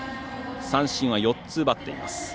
三振は４つ奪っています。